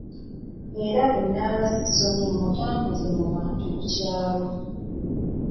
Era nga bwemba sisomye mmutambuza mu bantu ku kyalo.